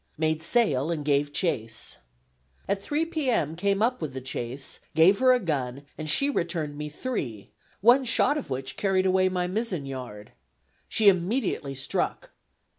Made sail and gave chase. At 3 p. m. came up with the chase, gave her a gun and she returned me three, one shot of which carried away my mizzen yard. She immediately struck.